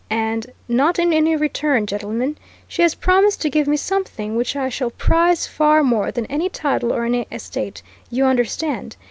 And not in any return, gentlemen! she has promised to give me something which I shall prize far more than any title or any estate you understand?